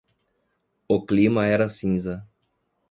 O clima era cinza.